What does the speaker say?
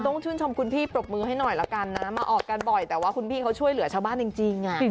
ต้องชื่นชมคุณพี่ปรบมือให้หน่อยละกันนะมาออกกันบ่อยแต่ว่าคุณพี่เขาช่วยเหลือชาวบ้านจริง